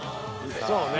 そうね。